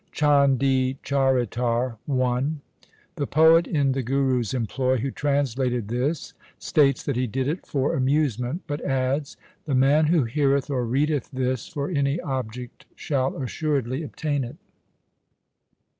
Chandi Charitar 1 2 The poet in the Guru's employ, who translated this, states that he did it for amusement, but adds :' The man who heareth or readeth this for any object shall assuredly obtain it.'